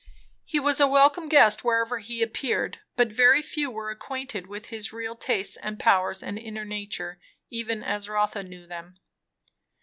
He was a welcome guest wherever he appeared; but very few were acquainted with his real tastes and powers and inner nature, even as Rotha knew them.